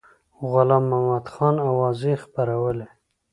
غلام محمدخان اوازې خپرولې.